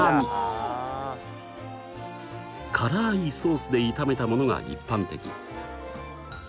辛いソースで炒めたものが一般的。